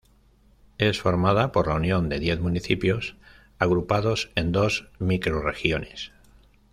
Es formada por la unión de diez municipios agrupados en dos microrregiones.